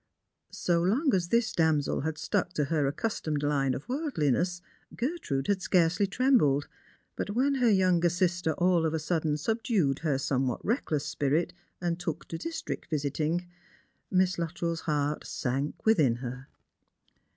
So long as this damsel had stuck to her accustomed line of worldliness, Gertrude had scarcely trembled. But when her younger sister all of a sudden subdued her somewhat reckless spirit, and took to district visiting, Miss Luttrell's heart sank within her.